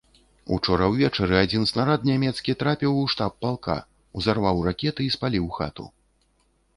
Учора ўвечары адзін снарад нямецкі трапіў у штаб палка, узарваў ракеты і спаліў хату.